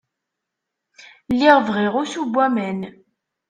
Lliɣ bɣiɣ usu n waman.